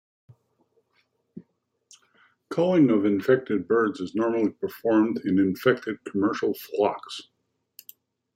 Culling of infected birds is normally performed in infected commercial flocks.